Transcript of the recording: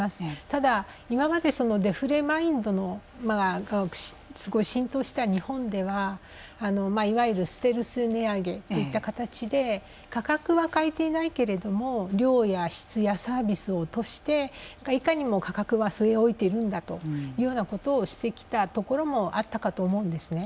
ただ今までそのデフレマインドがすごい浸透していた日本ではいわゆるステルス値上げといった形で価格は変えていないけれども量や質やサービスを落としていかにも価格は据え置いているんだというようなことをしてきたところもあったかと思うんですね。